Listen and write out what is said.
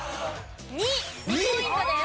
２。２ポイントです。